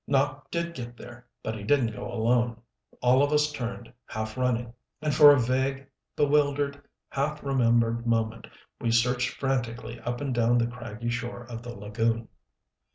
Nopp did get there, but he didn't go alone. All of us turned, half running. And for a vague, bewildered, half remembered moment we searched frantically up and down the craggy shore of the lagoon.